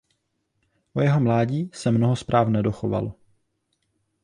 O jeho mládí se mnoho zpráv nedochovalo.